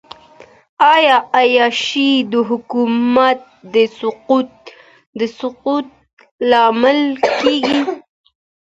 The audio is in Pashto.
آیا عیاشي د حکومت د سقوط لامل کیږي؟